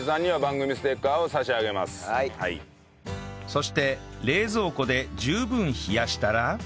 そして冷蔵庫で十分冷やしたら